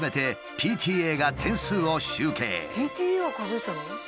ＰＴＡが数えてたの？